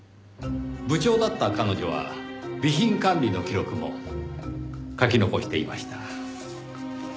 部長だった彼女は備品管理の記録も書き残していました。